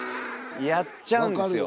やっちゃうんですよ。